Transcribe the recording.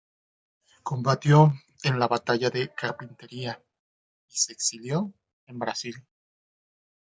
Combatió en la batalla de Carpintería y se exilió en Brasil.